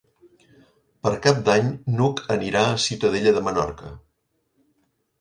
Per Cap d'Any n'Hug anirà a Ciutadella de Menorca.